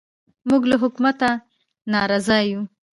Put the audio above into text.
موږ له حکومته نارازه یو